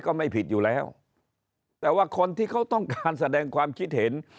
ก็ไม่ผิดอยู่แล้วแต่ว่าคนที่เขาต้องการแสดงความคิดเห็น